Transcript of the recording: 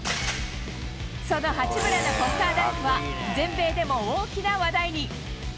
その八村のポスターダンクは全米でも大きな話題に。